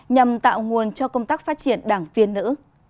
nhằm tạo nguồn cho công tác phát triển đảng viên nữ